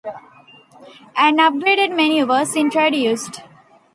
An upgraded menu was introduced.